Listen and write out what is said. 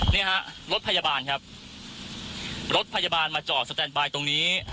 นี่ฮะรถพยาบาลครับรถพยาบาลมาจอดสแตนบายตรงนี้